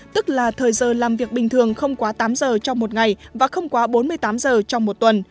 tức là thời giờ làm việc bình thường không quá tám giờ trong một ngày và không quá bốn mươi tám giờ trong một tuần